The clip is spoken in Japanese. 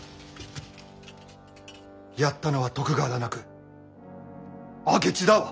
やったのは徳川だなく明智だわ。